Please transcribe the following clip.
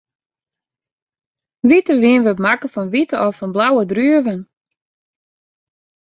Wite wyn wurdt makke fan wite of fan blauwe druven.